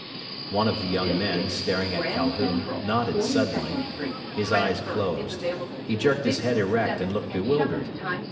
One of the young men, staring at Calhoun, nodded suddenly. His eyes closed. He jerked his head erect and looked bewildered.